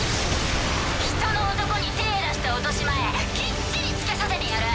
人の男に手ぇ出した落とし前きっちりつけさせてやる。